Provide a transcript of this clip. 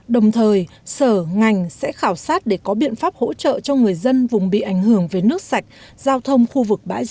đồng thời sở ngành sẽ khảo sát để có biện pháp hỗ trợ cho người dân vùng bị ảnh hưởng với nước sạch giao thông khu vực bãi rác